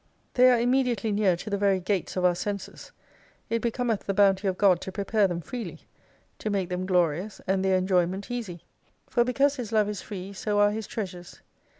They are immediately near to the very gates of our senses. It becometh the bounty of God to prepare them freely : to make them glorious, and their enjoyment easy. For because His love is free, so are His treasures.